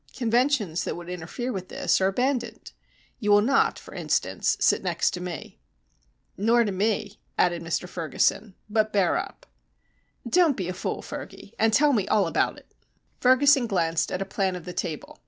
Conventions that would interfere with this are abandoned. You will not, for instance, sit next to me." "Nor to me," added Mr Ferguson. "But bear up." "Don't be a fool, Fergy, and tell me all about it." Ferguson glanced at a plan of the table.